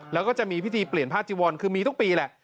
แล้วก็จะมีพิธีเปลี่ยนผ้าจีวรคือมีทุกปีแหละ